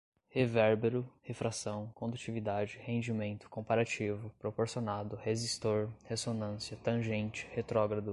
revérbero, refração, condutividade, rendimento, comparativo, proporcionado, resistor, ressonância, tangente, retrógrado